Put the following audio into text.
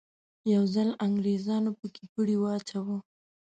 یو ځل انګریزانو په کې پړی واچاوه.